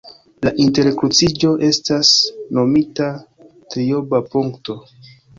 La interkruciĝo estas nomita triobla punkto.